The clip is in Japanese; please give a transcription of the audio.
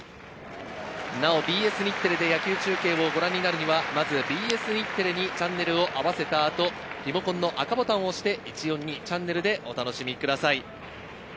なおＢＳ日テレで野球中継をご覧になるにはまずＢＳ日テレにチャンネルを合わせた後、リモコンの赤ボタンを押して、チャンネルでお楽しみください。